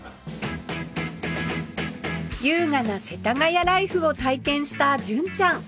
優雅な世田谷ライフを体験した純ちゃん